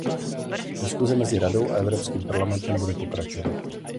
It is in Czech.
Diskuze mezi Radou a Evropským parlamentem bude pokračovat.